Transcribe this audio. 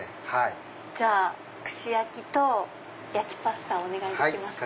じゃあ串焼きと焼きパスタお願いできますか？